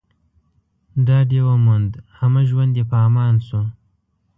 ډاډ يې وموند، همه ژوند يې په امان شو